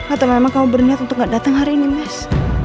atau memang kamu berniat untuk gak datang hari ini mas